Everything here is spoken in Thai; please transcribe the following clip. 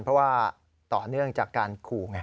เพราะว่าต่อเนื่องจากการขู่ไง